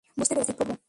বুঝতে পেরেছি, প্রভু।